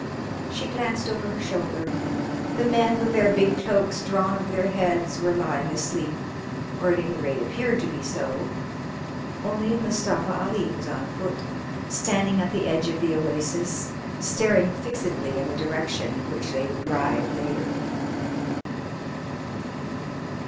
She glanced over her shoulder. The men, with their big cloaks drawn over their heads, were lying asleep, or at any rate appeared to be so; only Mustafa Ali was on foot, standing at the edge of the oasis, staring fixedly in the direction in which they would ride later.